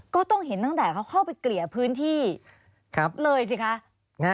ก็ต้องเห็นตั้งแต่เขาเข้าไปเกลี่ยพื้นที่เลยสิคะ